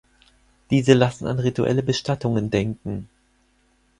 Diese lassen an rituelle Bestattungen denken.